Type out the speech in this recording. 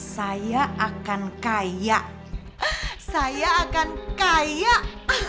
saya akan mengundang hasraf